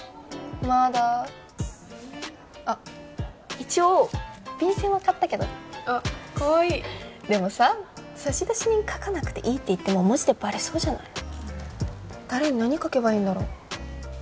まだあっ一応便せんは買ったけどあっかわいいでもさ差出人書かなくていいっていっても文字でバレそうじゃない誰に何書けばいいんだろう？